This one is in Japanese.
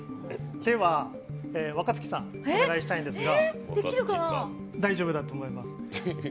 では若槻さんにお願いしたいんですが。